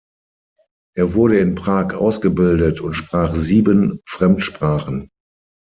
Er wurde in Prag ausgebildet und sprach sieben Fremdsprachen.